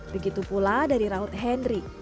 begitu pula dari raut henry